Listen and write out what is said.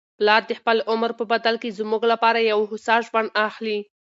پلار د خپل عمر په بدل کي زموږ لپاره یو هوسا ژوند اخلي.